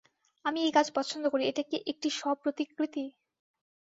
আমি এই গাছ পছন্দ করি - এটা কি একটি স্ব-প্রতিকৃতি?